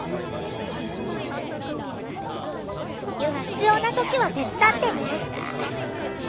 必要なときは手伝ってね。